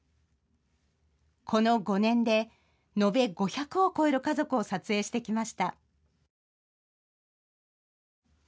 この５年で、延べ５００を超える家族を撮影してきました。